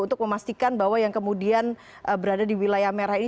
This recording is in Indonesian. untuk memastikan bahwa yang kemudian berada di wilayah merah ini